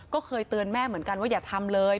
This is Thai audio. ก็เคยเตือนแม่ก็อย่าทำเลย